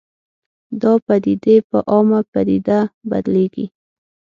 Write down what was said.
دا پدیدې په عامه پدیده بدلېږي